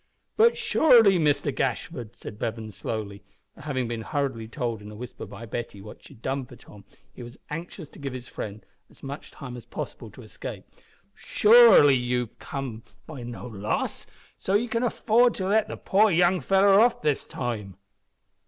"But surely, Mister Gashford," said Bevan slowly, for, having been hurriedly told in a whisper by Betty what she had done for Tom, he was anxious to give his friend as much time as possible to escape, "surely as you've come by no loss, ye can afford to let the poor young feller off this time."